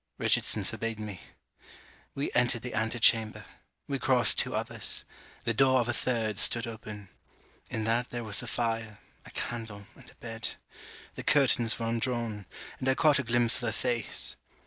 Richardson forbade me. We entered the antichamber. We crossed two others. The door of a third stood open. In that there was a fire, a candle, and a bed. The curtains were undrawn; and I caught a glimpse of her face.